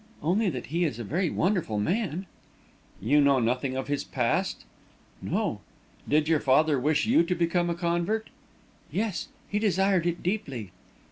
"Only that he is a very wonderful man." "You know nothing of his past?" "No." "Did your father wish you to become a convert?" "Yes, he desired it deeply."